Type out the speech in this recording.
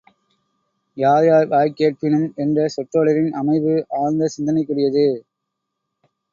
யார்யார் வாய்க் கேட்பினும் என்ற சொற்றொடரின் அமைவு ஆழ்ந்த சிந்தனைக் குரியது.